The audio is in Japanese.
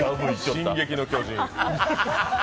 「進撃の巨人」。